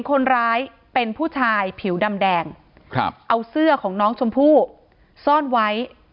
คนร้ายเป็นผู้ชายผิวดำแดงเอาเสื้อของน้องชมพู่ซ่อนไว้